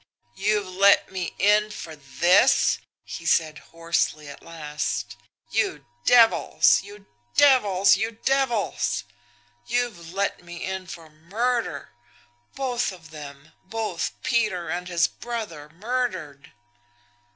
"'You've let me in for THIS!' he said hoarsely, at last, 'You devils you devils you devils! You've let me in for murder! Both of them! Both Peter and his brother MURDERED!'"